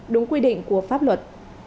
đúng quy định của pháp luật